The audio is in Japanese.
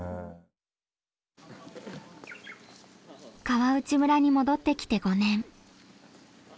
川内村に戻ってきて５年。